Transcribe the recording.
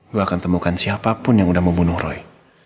gue akan temukan siapapun yang udah membunuh roy